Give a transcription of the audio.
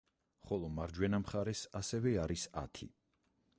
ხოლო მარჯვენა მხარეს ასევე არის ათი.